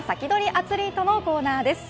アツリートのコーナーです。